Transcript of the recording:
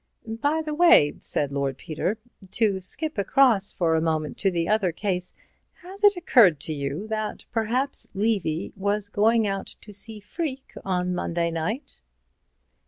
"By the way," said Lord Peter, "to skip across for a moment to the other case, has it occurred to you that perhaps Levy was going out to see Freke on Monday night?"